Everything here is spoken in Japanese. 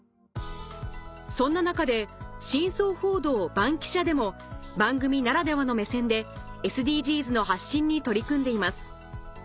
そんな中で『真相報道バンキシャ！』でも番組ならではの目線でＳＤＧｓの発信に取り組んでいます